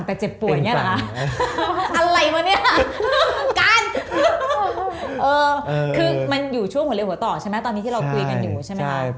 เออคือมันอยู่ช่วงหัวเร็วหัวต่อใช่ไหมตอนนี้ที่เราคุยกันอยู่ใช่ไหมครับ